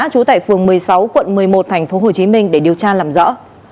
phường một mươi sáu quận một mươi một tp hcm để điều tra làm rõ